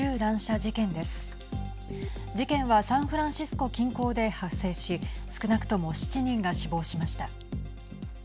事件はサンフランシスコ近郊で発生し少なくとも７人が死亡しました。